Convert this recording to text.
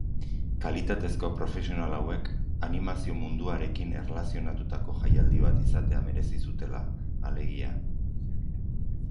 Kalitatezko profesional hauek animazio munduarekin erlazionatutako jaialdi bat izatea merezi zutela, alegia.